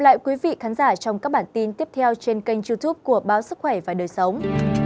lại quý vị khán giả trong các bản tin tiếp theo trên kênh youtube của báo sức khỏe và đời sống